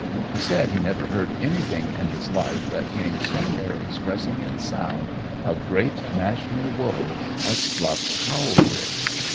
He said he never heard anything in his life that came so near expressing in sound a great national woe as Fluff's howl did.